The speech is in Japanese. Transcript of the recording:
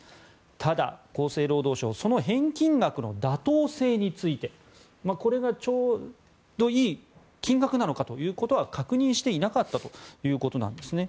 ただ、厚生労働省はその返金額の妥当性についてこれがちょうどいい金額なのかということは確認していなかったということなんですね。